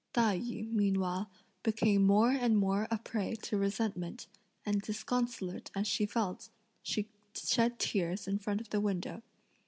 Tai yü, meanwhile, became more and more a prey to resentment; and disconsolate as she felt, she shed tears in front of the window.